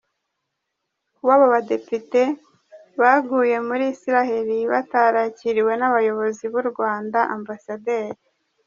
Kuba abo badepite bavuye muri Israel batarakiriwe n’abayobozi b’u Rwanda; Amb.